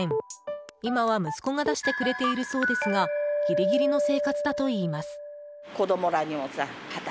今は、息子が出してくれているそうですがギリギリの生活だといいます。